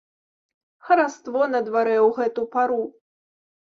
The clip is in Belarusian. Хараство на дварэ ў гэту пару.